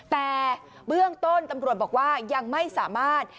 แต่เบื้องต้นตำรวจบอกว่ายังไม่สามารถ